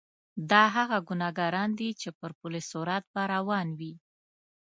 دا هغه ګناګاران دي چې پر پل صراط به روان وي.